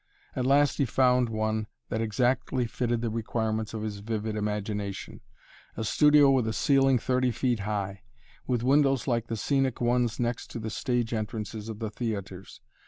At last he found one that exactly fitted the requirements of his vivid imagination a studio with a ceiling thirty feet high, with windows like the scenic ones next to the stage entrances of the theaters.